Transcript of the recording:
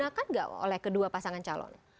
dinakan nggak oleh kedua pasangan calon